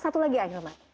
satu lagi ahilman